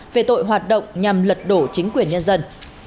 về tội hoạt động nhằm lật đổ chính quyền nhân dân